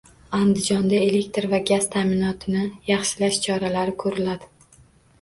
Andijonda elektr va gaz ta’minotini yaxshilash choralari ko‘riladi